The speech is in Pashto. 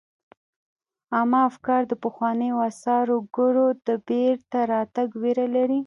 عامه افکار د پخوانیو استعمارګرو د بیرته راتګ ویره لري